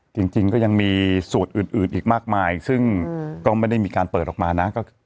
จริงก็ยังมีสูตรอื่นอีกมากมายซึ่งก็ไม่ได้มีการเปิดออกมานะ